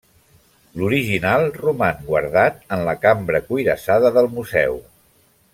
L'original roman guardat en la cambra cuirassada del museu.